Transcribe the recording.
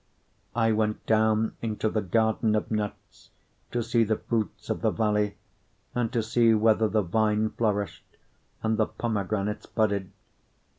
6:11 I went down into the garden of nuts to see the fruits of the valley, and to see whether the vine flourished and the pomegranates budded.